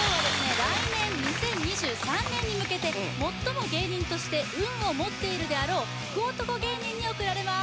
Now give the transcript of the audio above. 来年２０２３年に向けて最も芸人として運を持っているであろう福男芸人に贈られます